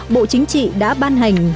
bộ chính trị đã ban hành